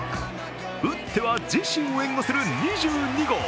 打っては自身を援護する２２号。